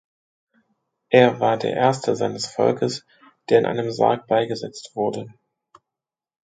Er war der erste seines Volkes der in einem Sarg beigesetzt wurde.